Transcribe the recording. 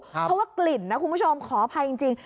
เพราะว่ากลิ่นนะคุณผู้ชมขออภัยจริง